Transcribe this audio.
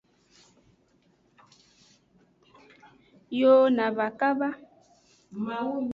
Yo na va kaba.